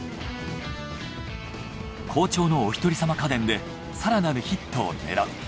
好調のおひとりさま家電で更なるヒットを狙う。